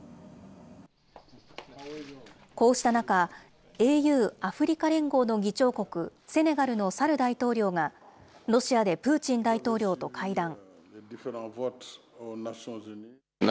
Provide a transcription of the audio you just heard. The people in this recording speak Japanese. こうした中、ＡＵ・アフリカ連合の議長国、セネガルのサル大統領が、ロシアでプーチン大統領と会談。